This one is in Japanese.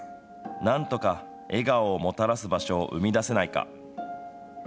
なんとか笑顔をもたらす場所を生み出せないか。